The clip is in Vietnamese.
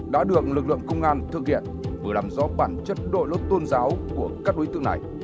đã được lực lượng công an thực hiện vừa làm rõ bản chất đội lốt tôn giáo của các đối tượng này